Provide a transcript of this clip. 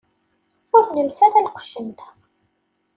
Ur nelsi ara lqecc-nteɣ.